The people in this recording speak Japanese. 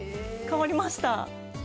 変わりました。